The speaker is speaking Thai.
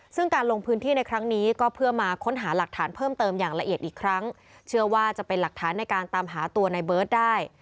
ซึ่งการลงพื้นที่ในครั้งนี้ก็เพื่อมาค้นหาหลักฐานเพิ่มเติมอย่างละเอียดอีกครั้งเชื่อว่าจะเป็นหลักฐานในการตามหาตัวในเบิร์ตได้